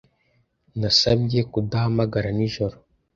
Nasabye kudahamagara nijoro